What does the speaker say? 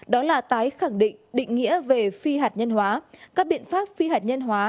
đó là tái khẳng định định nghĩa về phi hạt nhân hóa các biện pháp phi hạt nhân hóa